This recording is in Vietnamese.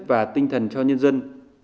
và tinh thần cho nhân dân